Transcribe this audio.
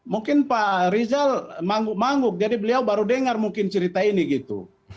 mungkin pak rizal mangguk mangguk jadi beliau baru dengar mungkin cerita ini gitu